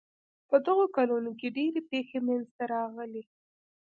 په دغو کلونو کې ډېرې پېښې منځته راغلې.